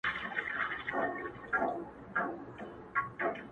• رب دي سپوږمۍ كه چي رڼا دي ووينمه ـ